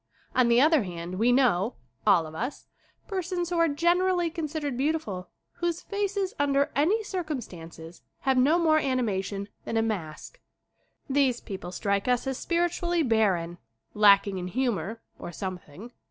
On the other hand we know, all of us, persons who are generally considered beautiful whose faces, under any circum stances, have no more animation than a mask These people strike us as spiritually barren, lacking in humor, or something.